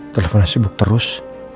teleponnya sibuk terus